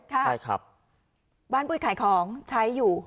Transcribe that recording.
ใช่ครับบ้านปุ้ยขายของใช้อยู่